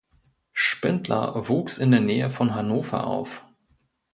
Spindler wuchs in der Nähe von Hannover auf.